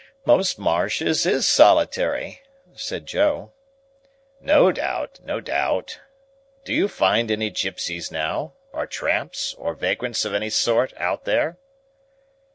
"Most marshes is solitary," said Joe. "No doubt, no doubt. Do you find any gypsies, now, or tramps, or vagrants of any sort, out there?"